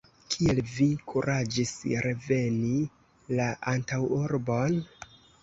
Kiel vi kuraĝis reveni la antaŭurbon?